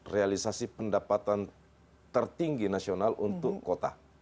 realisasi pendapatan tertinggi nasional untuk kota